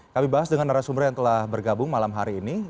kami bahas dengan narasumber yang telah bergabung malam hari ini